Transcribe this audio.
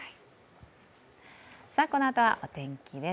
このあとはお天気です。